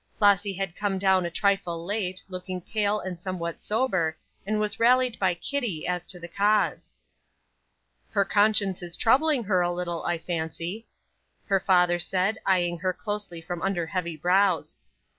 Flossy had come down a trifle late, looking pale and somewhat sober, and was rallied by Kitty as to the cause. "Her conscience is troubling her a little, I fancy," her father said, eyeing her closely from under heavy brows.